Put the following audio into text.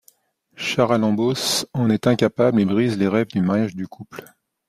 Charalambos en est incapable et brise les rêves de mariage du couple.